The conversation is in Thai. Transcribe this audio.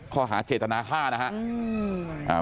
ข้อหาเจตนาค่า